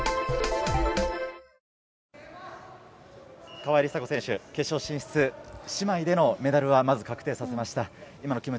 川井梨紗子選手、決勝進出、姉妹でのメダルは、まず確定させました。